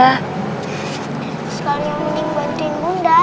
sekalian mending bantuin bunda